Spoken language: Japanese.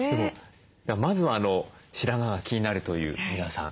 まずは白髪が気になるという皆さん